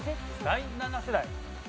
第７世代。